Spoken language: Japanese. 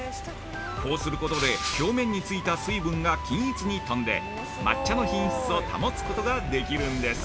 こうすることで、表面についた水分が均一に飛んで抹茶の品質を保つことができるんです。